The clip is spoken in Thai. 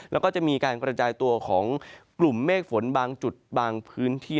แล้วก็จะมีการกระจายตัวของกลุ่มเมฆฝนบางจุดบางพื้นที่